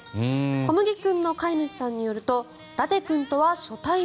こむぎ君の飼い主さんによるとラテ君とは初対面。